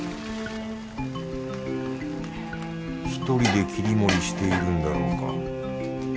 １人で切り盛りしているんだろうか。